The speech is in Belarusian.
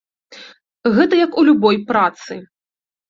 Гэта як у любой працы.